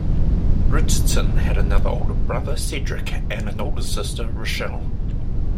Richardson has another older brother, Cedric, and one older sister Rochelle.